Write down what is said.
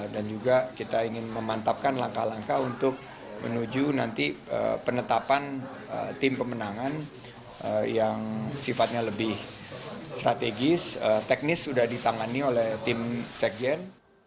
dan juga kita ingin memantapkan langkah langkah untuk menuju nanti penetapan tim pemenangan yang sifatnya lebih strategis teknis sudah ditangani oleh tim sekjen